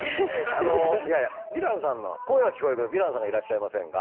あのいやいやヴィランさんの声は聞こえるけどヴィランさんがいらっしゃいませんが。